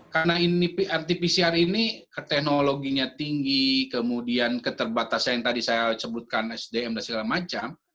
karena ini anti pcr ini teknologinya tinggi kemudian keterbatasan yang tadi saya sebutkan sdm dan segala macam